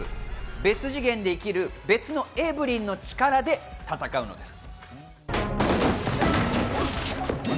別次元で生きる別のエヴリンの力で戦うのです。